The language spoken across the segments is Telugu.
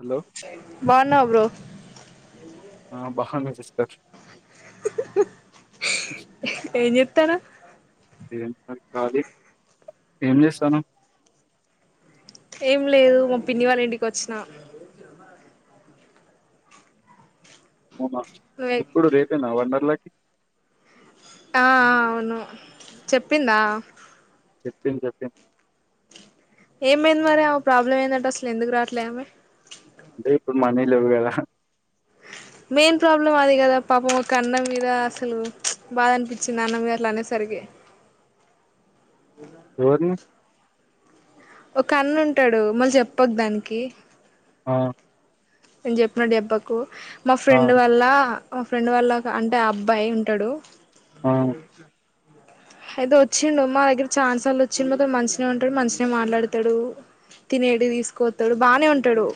హలో బన్నావాబ్రో ఆ బహాన్నా సిస్టర్ హ్ం ఎంజెత్తన కాది ఏం జేస్తాను ఏం లేదు మా పిన్ని వాళ్ళ ఇంటికి వచ్చినా అవునా నువ్వే ఇప్పుడు రేపేనా వండర్లకి ఆ ఆ అవును చెప్పిందా చెప్పంది చెప్పిం ఏమైంది మరి ఆమే ప్రాబ్లం ఎందట్ట అసలు ఎందుకు రాట్లే ఆమె అంటే ఇప్పుడు మనీలేవుకదా మెయిన్ ప్రాబ్లం అది కదా పాపం ఒక అన్నం మీద అసలు బాధ అనిపించింది అన్న మీద అట్లా అనేసరికి ఎవర్ని ఒక అన్నుంటడు మళ్ళీ జెప్పక్ దానికి ఆ నేను [unintelligible] మా ఆ ఫ్రెండ్ వల్ల మా ఫ్రెండ్ వాళ్ళ అంటే ఆ అబ్బాయి ఉంటాడు ఆ అయితే వచ్చిండు మా దగ్గర చానసార్లు వచ్చి మతోని మంచినే ఉంటాడు మంచినే మాట్లాడతాడు తినేడు తీసుకోతడు బానే ఉంటాడు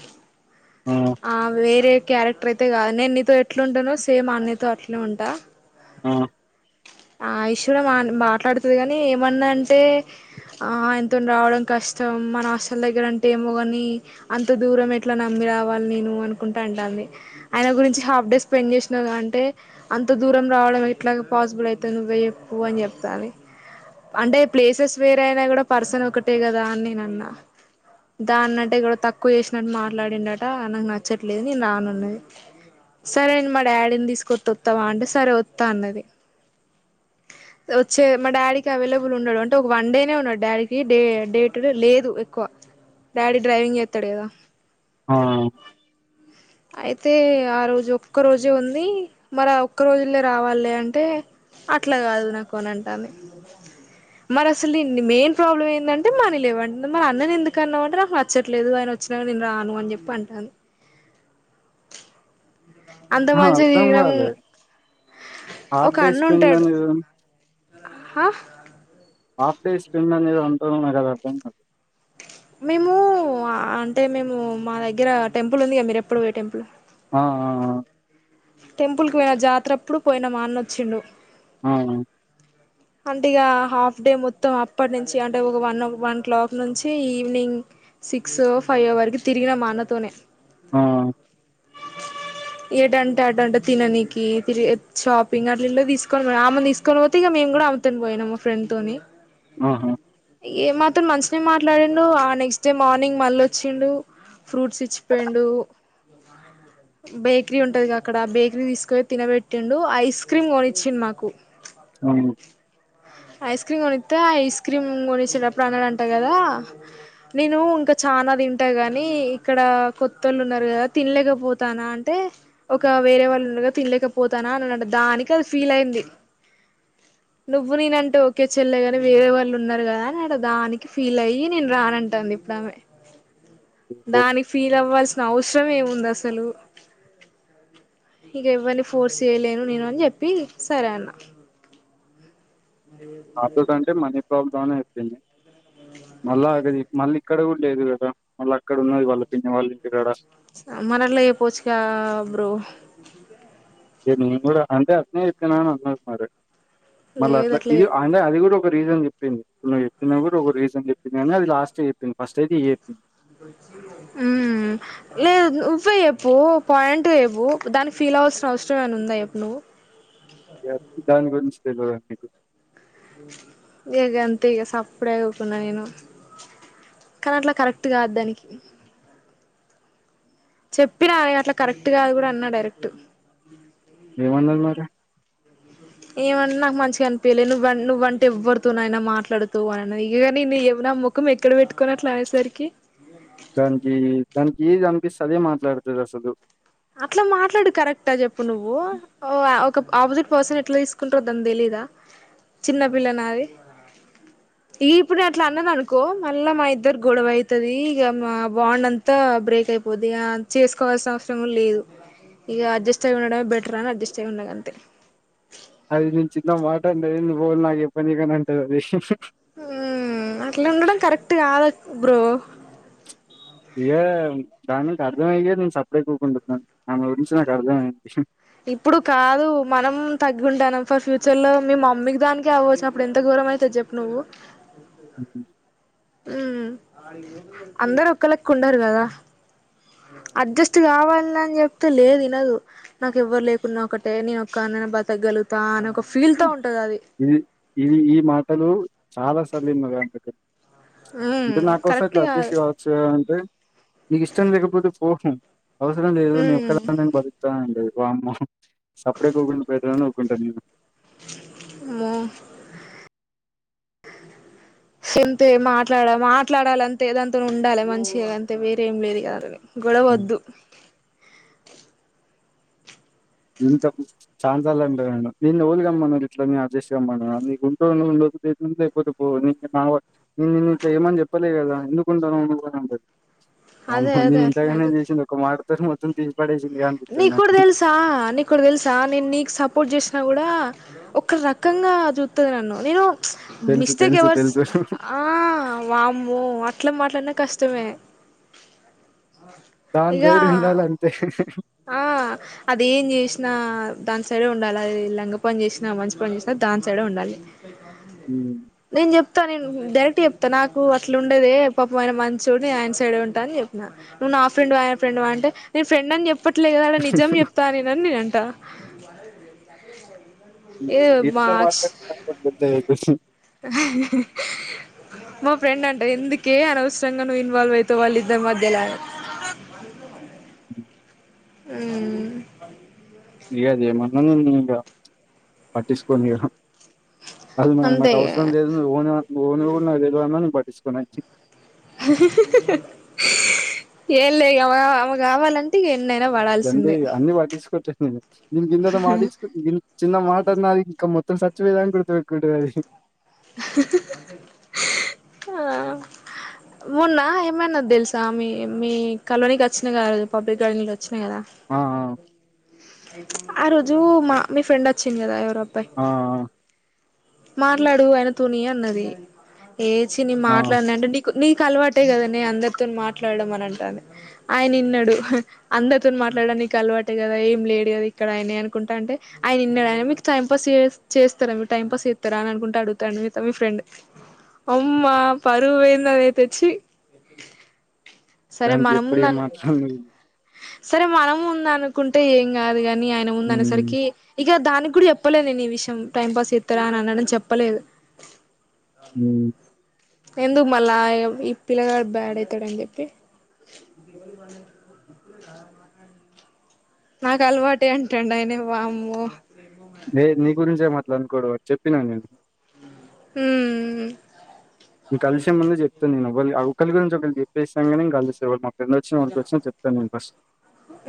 ఆ వేరే క్యారెక్టర్ అయితే కాదు నేను నీతో ఎట్లు ఉంటానో సేమ్ ఆ అన్నయ్య తో అట్లే ఉంటా ఆ ఆ ఇశ్వర్ మా మాట్లాడుతుంది కానీ ఏమన్నా అంటే ఆ ఆయనతో రావడం కష్టం మన హాస్టల్ దగ్గర అంటే ఏమో కాని అంత దూరం ఎట్లా నమ్మిరా నేను అకుంట అంటాండి ఆయన గురించి హాఫ్ డే స్పెండ్ చేసిన అంటే అంత దూరం ఇట్లా పాసిబుల్ అవుతుది నువ్వే చెప్పు అని చెప్పాలి అంటే ప్లేసెస్ వేరేయినా కూడా పర్సన్ ఒకటే కదా అని నేను అన్నా దాన్నంటే కూడా తక్కువ చేసినట్టు మాట్లాడిండట నాకు నచ్చట్లేదు నేను రానున్నది సరే మా డాడీని తీసుకొస్త వత్తవా అంటడి సరే వత్త అన్నది వచ్చే మా డాడీకి అవైలబుల్ ఉన్నాడు అంటే వన్ వన్ డేనే ఉన్నాడు డాడీకి డే డేట్ లేదు ఎక్కువ డాడీ డ్రైవింగ్ చేతాడు కదా ఆ అయితే ఆ రోజు ఒక రోజే ఉంది మరి ఒక రోజుల్లె రావాలి అంటే అట్లా కాదు నాకు కొన అంటాది మరి అసలున్ని మెయిన్ ప్రాబ్లం ఏంటంటే మనీ లేవంట మరి అన్నని ఎందుకు అన్నా అంటే నాకు నచ్చట్లేదు అ నేను వచ్చినా నేను రాను అని చెప్పి అంటాను అంత ఆహ మంచిగా అర్ధం తిరిగినాము కాలే ఒక హాఫ్ అన్న ఉంటాడు హా డే [unintelligible] [unintelligible] మేము అంటే మేము మా దగ్గర టెంపుల్ ఉందిగా మీరు ఎప్పుడు పోయే టెంపుల్ ఆ ఆ టెంపుల్ కు పోయిన జాతరప్పుడు పోయిన మా అన్న వచ్చిండు ఆ అంటే ఇక హాఫ్ డే మొత్తం అప్పటి నుంచి అంటే ఒక వన్ వన్ క్లాక్ నుంచి ఈవినింగ్ సిక్స్ ఫైవ్ వరకు తిరిగిన మా అన్నతోనే ఆ [unintelligible] ట అంటే తిననికి తి షాపింగ్ అట్లా ఇ తీసుకొని ఆమెను తీసుకొని పోతే ఇక మేము కూడా అమ్తా పోయిం నేన్ ఏమో ఫ్రెండ్ తోని ఆహా ఏ మాత్రం మంచినే మాట్లాడిండు ఆ నెక్స్ట్ డే మార్నింగ్ మళ్ళ వచ్చిండు ఫ్రూట్స్ ఇచ్చిపోయిండు బేకరీ ఉంటది కదా అక్కడ బేకరీ తీసుకొ తినబెట్టిండు ఐస్ క్రీమ్ కొనిచ్చిండు మాకు అవును ఐస్ క్రీమ్ కొనిస్తా ఐస్ క్రీమ్ కొనేసేటప్పుడు అన్నడ అంటా కదా నేను ఇంకా చనా తింటా గాని ఇక్కడ కొత్త వాళ్ళు ఉన్నారు కదా తినలేకపోతానా అంటే ఒక వేరే వాళ్ళు ఉండగా తినలేకపోతానా అని దానికి అది ఫీల్ అయింది నువ్వు నేన్ అంటే ఓకే చెల్లలేగాని వేరే వాళ్ళు ఉన్నారు కదా అని అ దానికి ఫీల్ అయ్యి నేను రానంటాంది ఇప్పుడు ఆమె దానికి ఫీల్ అవ్వాల్సిన అవసరం ఏముంది అసలు ఇక ఎవరిని ఫోర్స్ చేయలేను నేను అని చెప్పి సరే అన్న ఆటోస్ంటే మనీ ప్రాబ్లమ్నే వచ్చింది మళ్ళా అది మళ్ళీ ఇక్కడ కూడా లేదు కదా మళ్ళీ అక్కడ ఉన్నది వాళ్ళ పిన్నే వాళ్ళ ఇంటి కడ మరి అట్లా చెప్పొచ్చుగా బ్రో నేను కూడా అంటే అతనే చెప్పనా అని అన్నారున్నారు మళ్ళీ లేదు అట్లా ఇది చెప్ అంటే అది కూడా రీజన్ చెప్పింది ఇప్పుడు ను చెప్పిన కూడా ఒక రీజన్ చెప్పింది కానీ అది లాస్ట్ చెప్పింది ఫస్ట్ అయితే చెప్పింది అ లేదు నువ్వే ఎప్పు పాయింట్ వవు దానికి ఫీల్ అవ్ల్సిన అవసరం ఏమనా ఉంద ఎప్పుడు నువ్వు దాన్ గుంచి తె లో అ మీకు ఇగ అంత ఇక సప్పుడేగకుండా నేను కానీ అట్లా కరెక్ట్ కాదు దానికి చెప్పిన అట్లా కరెక్ట్ కాదు కూడా అన్నా డైరెక్ట్ ఏమండదు మరి ఏమంట నాకు మంచిగా అనిపించలే నువ్వ నువ్వంటే ఎవ్వడుతువుయన మాట్లాడుతూ అ ఇగానివ ముఖం ఎక్కడ పెట్టు దానికి దానికి దానికి సదే మాట్లాడుతుంది అసలు అట్లా మాట్లాడు కరెక్టా చెప్పు నువ్వు ఒక ఆపోజిట్ పర్సన్ ఎట్లా తీసుకుంటారో దాని తెలీదా చిన్నపిిల్ల నా అది ఈ ఇప్పుడు నే అట్లా అన్నది అనుకో మళ్ళా మా ఇద్దరు గొడవ అయితది ఇక మా బాండ్ అంతా బ్రేక్ అయి యిపోది చేసుకోవాల్సిన వంది లేదు ఇక అడ్జస్ట్ అయి ఉండడమే బెటర్ అని అడ్జస్ట్ అయి ఉండగా అంతే అది నేను చిన్న మాట అంటది నీ పో నాకు ఎ పని కాని అంటది అద మ్మ్ అట్లా ఉండడం కరెక్ట్ కాదు బ్రో ఏయ దానికు అర్థంమయ్య నేను సప్డే కూపంటాను నమ్ ఉంించ నాకు అర్థంమ విషయం ఇప్పుడు కాదు మనం తగ్గింటాం ఫర్ ఫ్యూచర్ లో మీ మమ్మీకి దానికి అవ్వవచ్చుిన అప్పుడు ఎంత గర ఇ అైతే చెప్పు నువ్వు అ ఉ అందరు ఒకళక్ ఉన్నారుారు కదా అడ్జస్ట్ కావాల అని చెప్తే లేదు వినదు నాకు ఎవ్వరు లేకున్నా ఒకటే నేను బతగలుతా అని ఒక ఫీల్ త ఉంట ఇది ఇది ఈ మాటలు చాలా సలివ అంత క మ్మ్ అంటే నా కోసం కరెక్ట్ ఇట్లా అడ్జెస్ట్ కాదు కావచ్చు అంటే నీకు ఇష్టం లేకపోతే పోహం అవసరం లేదు నే మ్మ్ ఒక్కద నే బ ా అండి బ అమ్మ సప్పడే ఒకుం పెట్టని ఒఊక్కుంటాను నేను మో ఎంత మాట్లాడ మాట్లాడాలంటే ఏదాంత ఉండాలి మంచిగా అంతే వేరే ఏం లేదు కదాని ఉమ్. గొడవద్దు ఇంత ఛాన్స్ అలాంటడి నేనుోలుగామ్మన్నా ఇట్లా న అడ్జెస్ట్గామ్మ నీ గుంటూ ఉ అయిపోదు పో నిన్ను చేయమని చెప్పలే కదా ఎందుకుంటాను అకోది అదే పమ్మంది అదే నేను అట్లనే ఇంతగానే చేసింది ఒక మాటత మొత్తం తీ నీ కుడద ఎల్సా అన్నక్కడ తెలుసా నేను నీకు సపోర్ట్ చేసినా కూడా ఒక రకంగా చూస్తుంది నన్ను నేను తెలుసు మిస్తేక్ తెలుసు ఎవరు తెలుసు ఆ వామ్ ఎట్లా మాట్లాడినా కష్టమే దాని ఇగ సైడ్ ఉండాలంతే ఆ అది ఎం చేసినా దాని సైడే ఉండాలి అది లంగ పని చేసినా మంచి పని చేసినా దాని సైడే ఉండాలి నేను చెప్తా నేను డైరెక్ట్ చెప్తా నాకు అట్లు ఉండేదే పాపమయన ఆయన మంచోడు నే ఆనైడ్ ఉంటా అని చెప్పిన నువ్ ఆ ఫ్రెండ్ ఆయన ఫ్రెండ్ అంటే ఫ్రెడ్ అని చెప్ప అప్పట్లే కదడ నిజం చెప్తా అని నన్ననంట [unintelligible] మా ఫ్రెండ్ అంట ఎందుకే అనవసరంగా నువ్వు ఇన్వాల్వ్ అయిత వాళ్ళు ఇద్దరి మధ్యలా అ ఉమ్ [unintelligible] అది మరి అంతే నాకు ఇగ అవసరం లేదు ఓ ఓను కూడా నా లేదును పట్టించున్నా [unintelligible] పడాల్సిందే [unintelligible] మం సచ్చవేదా కొడుతు వకుంట ఆ ఉన్నా ఏమైనా తెలుసా మీ మీ కలోనీకి వచ్చినా కాదు పబ్లిక్ గార్డెన్ వ కా ఆ ఆ రోజు మా మీ ఫ్రెండ్ వచ్చింది కదా ఎవరో త ఆ ఆ మాట్లాడు ఆయన తుని అన్నది ఏచి నీ ఆ ఆ! మాట్లాడినంటే నీకు నీకు అలవాటు అంతే కదా నే అందరితో మాట్లాడడం అని అంటాను ఆయన ఇన్నాడు అందరితో మాట్లాడడా నీకు అల కదా ఏం లేదు కదా ఇక్కడయ అనుకుంటా అంటే ఆయన నిన్నాడుయ మీకు టైం పాస్ చేస్తారా మీ టైం పాస్ రా అని అనుకుంటే అడుగుతాను మీ ఫ్రెండ్ అమ్మా పరువు పోయింద అని అయి తెచ్చి సరే దానికి మన ఎప్పుడు ఏం ముందనుకు మాట్లాడను సరే మనము ముంద అనుకుంటే ఏం కాదు కాని హ్మ్ ఉందిరి ఇక దానికి కూడా చెప్పలే నేను ఈ విషయంై పాస్ చేస్తారా అ అన్నాడం చెప్పలేదు హ ఎందుకు మళ్ళా ఈ పిల్లగాడు బ్యాడ్ అయితాడని చెప్పి నాకు అలవాటు అంటండు ఆయనేవామ్మో న నీ గురించే అట్లా ఏం అనుకోడు చెప్పినాను నేను ఉ కలిసే ముందు చెప్ాను నేనుళ ఒకరి గురించి ఒకళ్ళ చెప్పేస్తాకే కలిసేవాళ్ళ మా రెం వచ్చిన మనకి వచ్చా చెప్తను నేను ఫస్ట్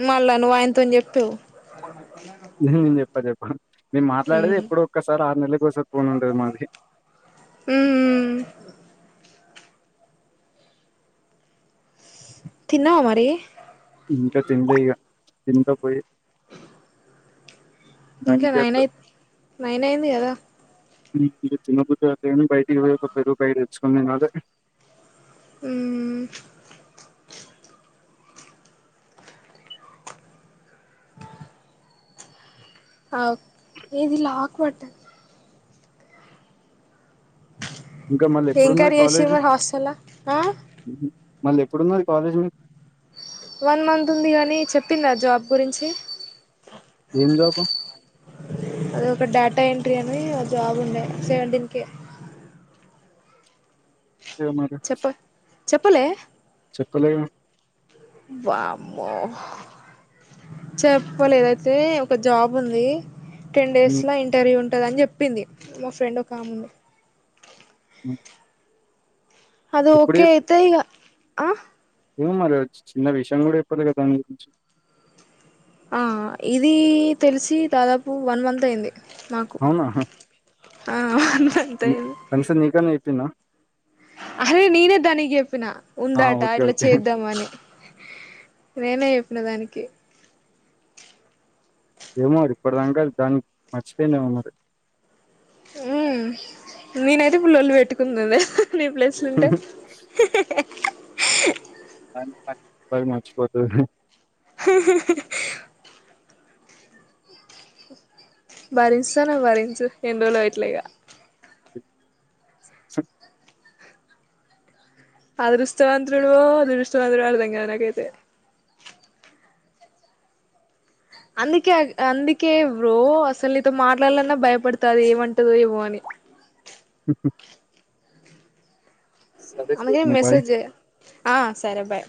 మళ్ళా నువ్వాయతోని చెప్తావు నేను చెప్ప చెప్ప నేను మాట్లాడేది ఉమ్ ఎప్పుడు ఒక్కసారి ఆరు నెలల కోస పోనుంద మాది ఉమ్ తిన్నావా మరి ఇంకా తినలే ఇగ తిట పోయి ఇంకా మంచిగా నైనయి నైన్ అయింది కదా తిన్నబద్దు అ బయటికి పో ఒక పెరుగు పాకెట్ తెచ్చుకోని తిన్నలే మ్... ఏది లాక్ పడ్డది. ఇంక ఏం మల్లెప్పుడున్నది కర్రీ చేసిర్రు కాలేజ్ మరి హాస్టల్ల ఆ మళ్ళీ ఎప్పుడున్నది కాలేజ్ మీ వన్ మంత్ ఉంది గనీ చెప్పిందా జాబ్ గురించి ఏం జాబ్ అది ఒక డాటా ఎన్ ట్రీ అని ఆ జాబ్ ఉండే సెవెంటిన్కె ఇగ మరి చెప్ప చెప్పలే చెప్పలేగా వామ్మో చెప్పలేదైతే ఒక జాబ్ ఉంది. టెన్ ఉమ్, డేస్ల ఇంటర్వ్యూ ఉంటదన్ చెప్పింది మా ఫ్రెండ్ ఒక ఆమె అ అద్ ఓకే అయితే ఇగ ఆ ఏమో మరి వచ్చి చిన్న విషయం గుడా చెప్పలేగా దాని గురించి ఆ ఇదీ తెల్సి దాదాపు వన్ మంత్ అయింది. నాకు అవునా ఆ మంత్ ని అయింది కనీసం నీకన్నా చెప్పిందా? అరే నేనే దానికి చెప్పిన ఆహా ఉందట ఓకే ఇట్లా ఓకే చేద్దామని నేనే చెప్పిన దానికి ఏమో ఇప్పటి దాంక దానిక్ మర్చిపోయిందేమో మరి మ్ నేనైతే ఇప్పుడ్ లొల్లి పెట్టుకుంటుండే నీ ప్లేస్లుంటే [unintelligible] మర్చిపోతది. భరిస్తన్నవ్ భరించు ఎన్ని రోజులో ఇట్ల ఇగ స అదృష్టవంతుండువో దురదృష్టవంతుడువో అర్ధం కాదు నాకైతే అందుకే అన్ అందుకే బ్రో అసల్ నీతో మాట్లాడాలన్నా భయపడతది ఏమంటదో ఏమో అని సరే అందుకే శివాని బాయ్ మెసేజ్ చేయ ఆ సరే బాయ్